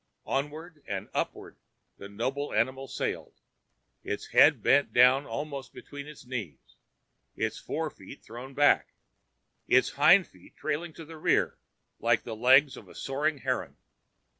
Onward and upward the noble animal sailed, its head bent down almost between its knees, its fore feet thrown back, its hinder legs trailing to rear like the legs of a soaring heron.